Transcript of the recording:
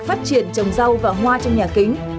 phát triển trồng rau và hoa trong nhà kính